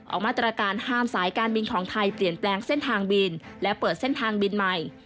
ออกมาตรการห้ามสายการบินของไทยเปลี่ยนแปลงเส้นทางบินและเปิดเส้นทางบินใหม่